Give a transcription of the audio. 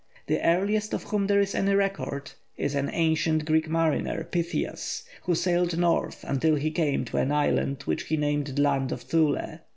The earliest of whom there is any record is an ancient Greek mariner, Pytheas, who sailed North until he came to an island which he named the Land of Thule.